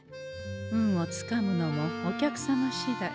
運をつかむのもお客様しだい。